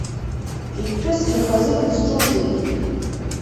Иԥҳәысгьы хазы дызҿузеи?